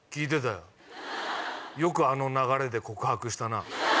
よくあの流れで告白したな。